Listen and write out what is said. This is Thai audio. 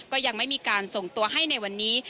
ก็ยังไม่มีการส่งตัวให้ในวันนี้